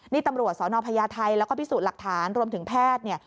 นี่ตำรวจสนพญาไทยแล้วก็พิสูจน์หลักฐานรวมถึงแพทย์เนี่ย